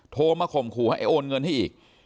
โทรมาข่มขู่ให้โอนเงินให้อีก